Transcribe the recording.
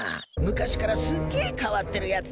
昔からすっげえ変わってるやつでな。